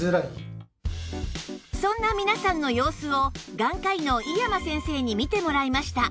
そんな皆さんの様子を眼科医の井山先生に見てもらいました